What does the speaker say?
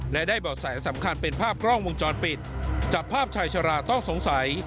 และได้เบาะแสสำคัญเป็นภาพกล้องวงจรปิดจับภาพชายชะลาต้องสงสัย